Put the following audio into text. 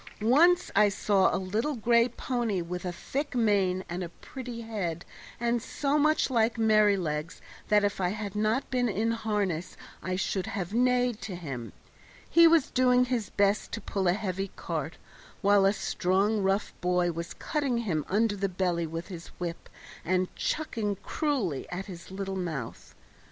Once I saw a little gray pony with a thick mane and a pretty head, and so much like Merrylegs that if I had not been in harness I should have neighed to him. He was doing his best to pull a heavy cart, while a strong rough boy was cutting him under the belly with his whip and chucking cruelly at his little mouth.